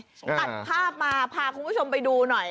ตัดภาพมาพาคุณผู้ชมไปดูหน่อย